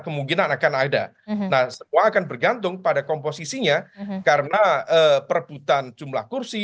kemungkinan akan ada nah semua akan bergantung pada komposisinya karena perebutan jumlah kursi